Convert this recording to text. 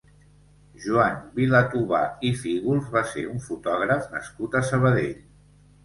Joan Vilatobà i Fígols va ser un fotògraf nascut a Sabadell.